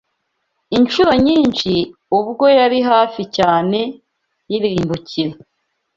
Incuro nyinshi, ubwo yari hafi cyane y’irimbukiro